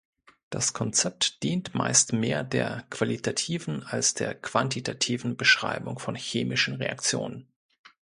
Das Konzept dient meist mehr der qualitativen als der quantitativen Beschreibung von chemischen Reaktionen.